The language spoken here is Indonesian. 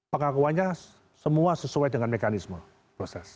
pengakuannya semua sesuai dengan mekanisme proses